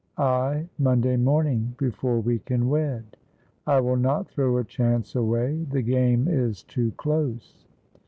Ay, Monday morning, before we can wed. I will not throw a chance away; the game is too close."